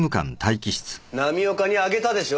浪岡にあげたでしょ？